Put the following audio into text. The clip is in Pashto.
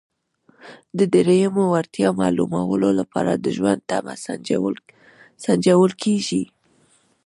د دریمې وړتیا معلومولو لپاره د ژوند تمه سنجول کیږي.